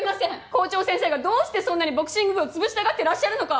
校長先生がどうしてそんなにボクシング部を潰したがってらっしゃるのか。